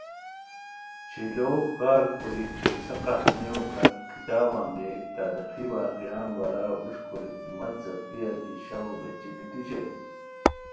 شیلوغ کارکوریک، قصہ کہانیو کتابان ریک، تاریخی واقعاتان بارا ہوݰ کوریک مہ څیقیاری ای شوق بہچی گیتی شیر